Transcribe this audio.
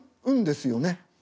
そうですね。